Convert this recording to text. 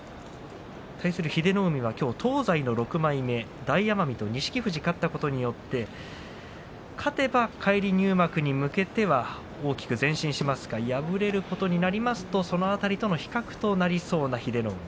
対する英乃海はきょうは東西の６枚目大奄美と錦富士が勝ったことによって勝てば返り入幕に向けては大きく前進しますが敗れることになりますとその辺りとの比較となりそうな英乃海。